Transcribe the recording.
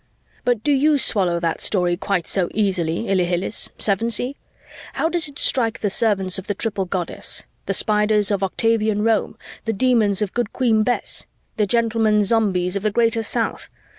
But do you swallow that story quite so easily, Ilhilihis, Sevensee? How does it strike the servants of the Triple Goddess? The Spiders of Octavian Rome? The Demons of Good Queen Bess? The gentlemen Zombies of the Greater South?